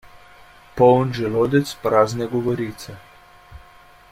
Poln želodec, prazne govorice.